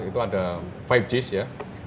itu ada lima g ya